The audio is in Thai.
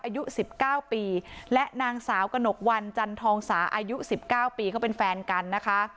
อายุ๑๙ปีและนางสาวกระหนกวันจันทองสาอายุ๑๙ปีเขาเป็นแฟนกันนะคะ